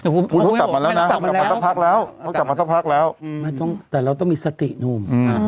ก็ต้องกลับมาแล้วนะต้องกลับมาเถอะพักแล้วต้องกลับมาเถอะพักแล้วแต่เราต้องมีสตินุ่ม